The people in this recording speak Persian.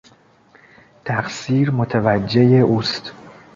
تقصیر متوجهی اوست.